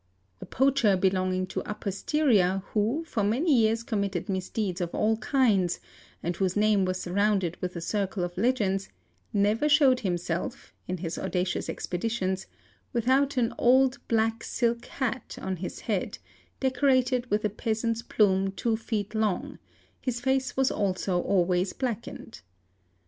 A poacher belonging to pper Styria who for many years committed misdeeds of all kinds and 89 706 | THEFT whose name was surrounded with a circle of legends, never showed himself, in his audacious expeditions, without an old ' black silk hat' on his head decorated with a peasant's plume two feet long; his face was also always blackened.